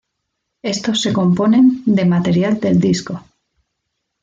Estos se componen de material del disco.